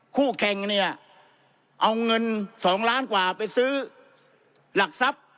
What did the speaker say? คู่แข่งเนี่ยเอาเงิน๒ล้านกว่าไปซื้อหลักทรัพย์